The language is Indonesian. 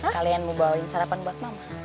kalian mau bawain sarapan buat mama